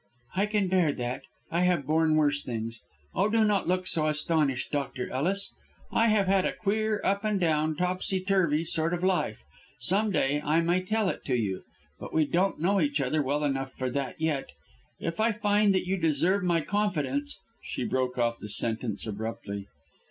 "I can bear that. I have borne worse things. Oh, do not look so astonished, Dr. Ellis. I have had a queer up and down, topsy turvy sort of life. Some day I may tell it to you, but we don't know each other well enough for that yet. If I find that you deserve my confidence " She broke off the sentence abruptly.